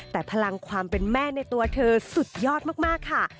แต่พลังความเป็นแม่ในตัวเธอสุดยอดมากค่ะ